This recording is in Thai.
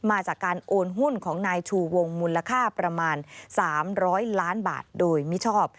มาจากการโอนหุ้นของนายชูวงมูลค่าประมาณ๓๐๐ล้านบาทโดยมิชอบ